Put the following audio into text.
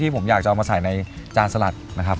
ผมอยากจะเอามาใส่ในจานสลัดนะครับ